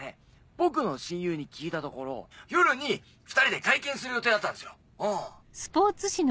僕の親友に聞いたところ夜に２人で会見する予定だったんですようん。